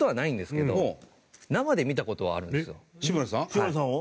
志村さんを？